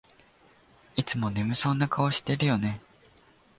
いつも眠そうな顔してるよね